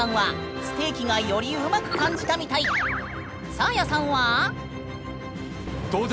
サーヤさんは？うわ。